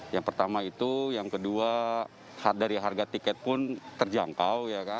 yang pertama itu yang kedua dari harga tiket pun terjangkau